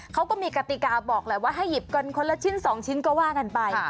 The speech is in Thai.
เขาก็มีกติกาบอกแหละว่าให้หยิบกันคนละชิ้น๒ชิ้นก็ว่ากันไป